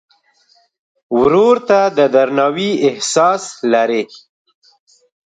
ورور ته د درناوي احساس لرې.